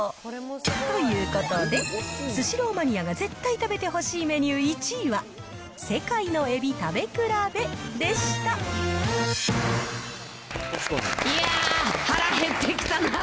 ということで、スシローマニアが絶対食べてほしいメニュー１位は、世界の海老食いやー、腹減ってきたな。